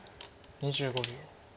２５秒。